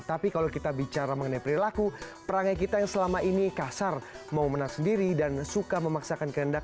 tapi kalau kita bicara mengenai perilaku perangai kita yang selama ini kasar mau menang sendiri dan suka memaksakan kehendak